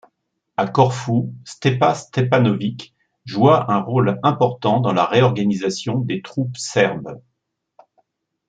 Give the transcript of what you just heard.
À Corfou, Stepa Stepanović joua un rôle important dans la réorganisation des troupes serbes.